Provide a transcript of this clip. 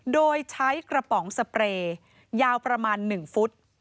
โดยใช้กระป๋องสเปรย์ยาวประมาณ๑ฟุต